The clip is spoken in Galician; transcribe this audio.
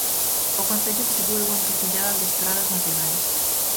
O concello constitúe unha encrucillada de estradas nacionais.